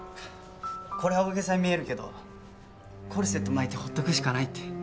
これは大げさに見えるけどコルセット巻いて放っておくしかないって。